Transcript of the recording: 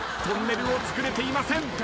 トンネルを作れていません。